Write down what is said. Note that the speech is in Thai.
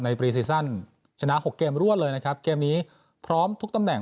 ปรีซีซั่นชนะหกเกมรวดเลยนะครับเกมนี้พร้อมทุกตำแหน่ง